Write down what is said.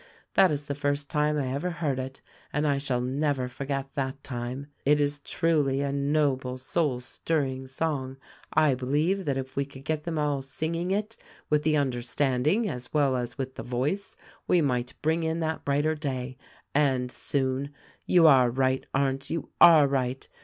That is the first time I ever heard it, and I shall never forget that time. "It is truly a noble, soul stirring song. I believe that if we could get them all singing it with the understanding as well as with the voice we might bring in that brighter day — and soon. You are right, Arndt, you are right!